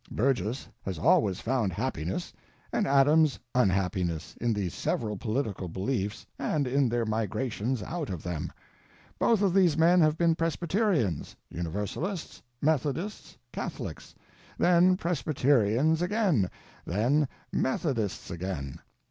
Burgess has always found happiness and Adams unhappiness in these several political beliefs and in their migrations out of them. Both of these men have been Presbyterians, Universalists, Methodists, Catholics—then Presbyterians again, then Methodists again.